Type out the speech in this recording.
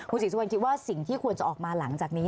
ศรีสุวรรณคิดว่าสิ่งที่ควรจะออกมาหลังจากนี้